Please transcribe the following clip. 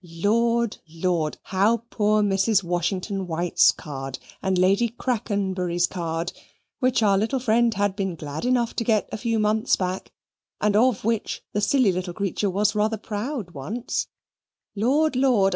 Lord! lord! how poor Mrs. Washington White's card and Lady Crackenbury's card which our little friend had been glad enough to get a few months back, and of which the silly little creature was rather proud once Lord! lord!